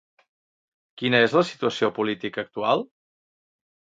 Quina és la situació política actual?